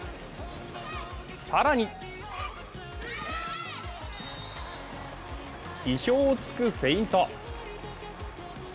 更に意表を突くフェイント。